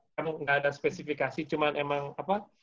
karena gak ada spesifikasi cuma emang apa